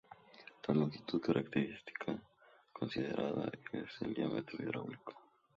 La longitud característica considerada es el diámetro hidráulico.